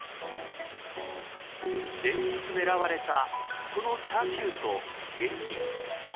連日狙われたこのチャーシューと現金。